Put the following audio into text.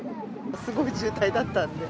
すごい渋滞だったんで。